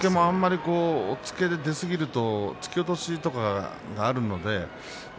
押っつけで出すぎると突き落としとかが、ありますから押